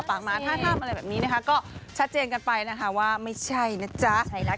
ฟังมาถ้าทำอะไรแบบนี้นะคะก็ชัดเจนกันไปนะคะว่าไม่ใช่นะจ๊ะ